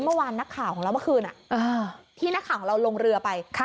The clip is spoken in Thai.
เมื่อวานนักข่าวของเราเมื่อคืนที่นักข่าวของเราลงเรือไป